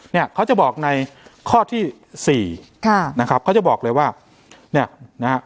เนี่ยเขาจะบอกในข้อที่สี่ค่ะนะครับเขาจะบอกเลยว่าเนี่ยนะฮะ